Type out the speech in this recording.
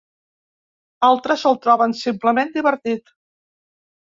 Altres el troben simplement divertit.